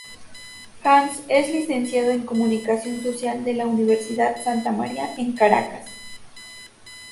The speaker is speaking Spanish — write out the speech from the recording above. Hans es licenciado en comunicación social de la Universidad Santa María en Caracas.